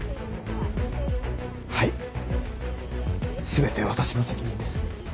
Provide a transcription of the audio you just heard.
全て私の責任です。